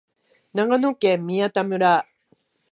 長野県宮田村